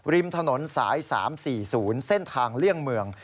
ริมถนนสาย๓๔๐เส้นทางเลี่ยงเมือง